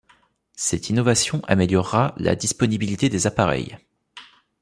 Cette innovation améliorera la disponibilité des appareils.